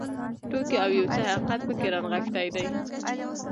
ټوکې او یو څه حقیقت پکې رانغښتی دی.